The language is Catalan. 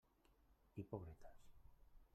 Hipòcrites!